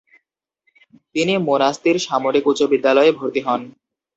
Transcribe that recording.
তিনি মোনাস্তির সামরিক উচ্চ বিদ্যালয়ে ভর্তি হন।